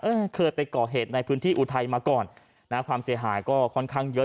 เออเคยไปก่อเหตุในพื้นที่อุทัยมาก่อนนะฮะความเสียหายก็ค่อนข้างเยอะ